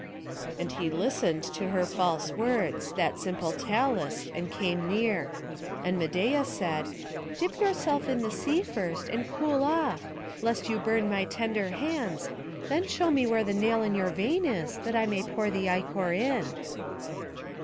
And he listened to her false words, that simple Talus, and came near; and Medeia said, "Dip yourself in the sea first, and cool yourself, lest you burn my tender hands, then show me where the nail in your vein is, that I may pour the ichor in."